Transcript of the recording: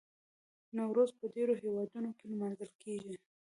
نوروز په ډیرو هیوادونو کې لمانځل کیږي.